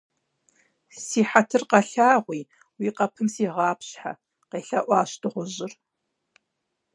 - Си хьэтыр къэлъагъуи, уи къэпым сигъапщхьэ, - къелъэӏуащ дыгъужьыр.